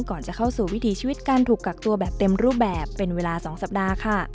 ก่อนจะเข้าสู่วิถีชีวิตการถูกกักตัวแบบเต็มรูปแบบเป็นเวลา๒สัปดาห์ค่ะ